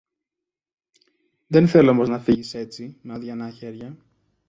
Δε θέλω όμως να φύγεις έτσι, με αδειανά χέρια.